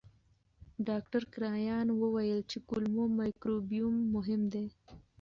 ډاکټر کرایان وویل چې کولمو مایکروبیوم مهم دی.